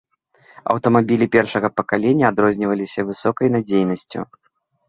Аўтамабілі першага пакалення адрозніваліся высокай надзейнасцю.